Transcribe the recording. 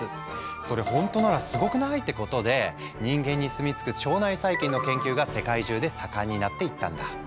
それほんとならすごくない？ってことで人間に住み着く腸内細菌の研究が世界中で盛んになっていったんだ。